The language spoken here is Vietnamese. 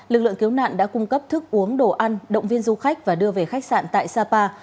lực lượng cứu nạn đã cung cấp thức uống đồ ăn động viên du khách và đưa về khách sạn tại sapa